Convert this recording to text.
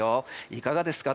いかがですか？